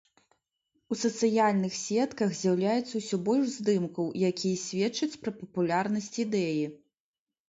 У сацыяльных сетках з'яўляецца ўсё больш здымкаў, якія сведчаць пра папулярнасць ідэі.